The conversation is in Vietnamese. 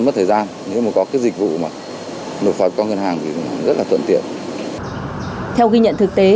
theo ghi nhận thực tế